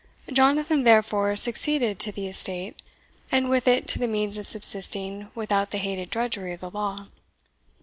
Jonathan, therefore, succeeded to the estate, and with it to the means of subsisting without the hated drudgery of the law.